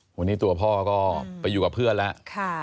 วันนี้ตัวพ่อก็ไปอยู่กับเพื่อนแล้ว